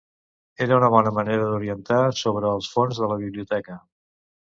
Era una bona manera d'orientar sobre els fons de la Biblioteca.